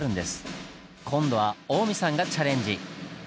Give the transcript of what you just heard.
今度は近江さんがチャレンジ。